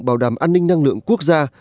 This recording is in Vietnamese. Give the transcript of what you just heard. bảo đảm an ninh năng lượng quốc gia